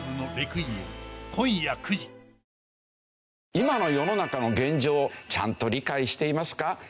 今の世の中の現状をちゃんと理解していますか？